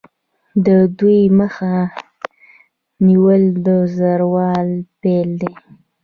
د ودې مخه نیول د زوال پیل دی.